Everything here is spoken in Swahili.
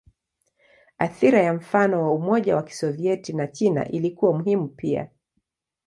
Athira ya mfano wa Umoja wa Kisovyeti na China ilikuwa muhimu pia.